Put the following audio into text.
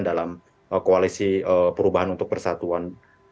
dalam koalisi perubahan untuk persatuan